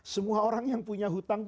semua orang yang punya hutang